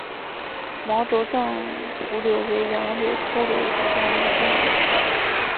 毛轴藏匐柳为杨柳科柳属下的一个变种。